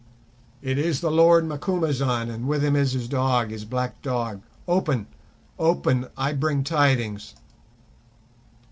"It is the Lord Macumazahn, and with him is his dog, his black dog. Open! open! I bring tidings."